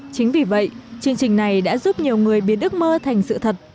chính vì vậy chương trình này đã giúp nhiều người biến ước mơ thành sự thật